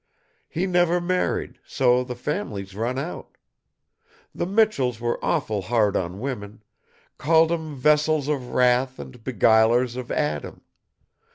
He never married, so the family's run out. The Michells were awful hard on women; called 'em vessels of wrath an' beguilers of Adam.